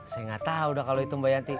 saya nggak tahu udah kalau itu mbak yanti